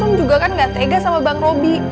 rum juga kan nggak tegas sama bang robi